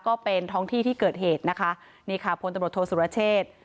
ก็เป็นท้องที่ที่เกิดเหตุนะคะนี่ค่ะพตศุรเชษฐ์